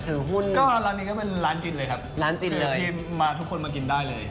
หุ้นก็ร้านนี้ก็เป็นร้านกินเลยครับร้านจินเลยที่มาทุกคนมากินได้เลย